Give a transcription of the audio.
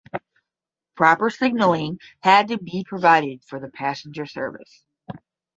Proper signalling had to be provided for the passenger service.